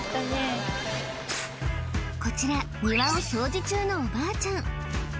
こちら庭を掃除中のおばあちゃん